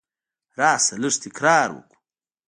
راسه! لږ تکرار وکو.